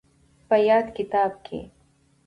په ياد کتاب کې